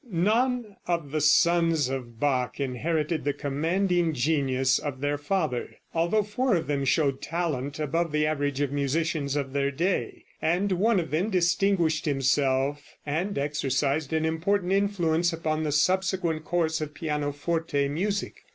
None of the sons of Bach inherited the commanding genius of their father, although four of them showed talent above the average of musicians of their day, and one of them distinguished himself and exercised an important influence upon the subsequent course of pianoforte music.